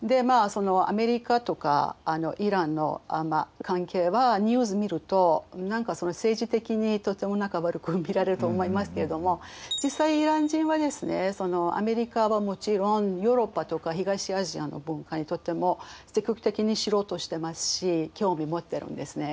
そのアメリカとかイランの関係はニュース見ると何か政治的にとても悪く見られると思いますけれども実際イラン人はですねアメリカはもちろんヨーロッパとか東アジアの文化にとっても積極的に知ろうとしてますし興味持ってるんですね。